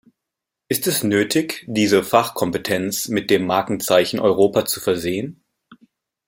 Ist es nötig, diese Fachkompetenz mit dem Markenzeichen Europa zu versehen?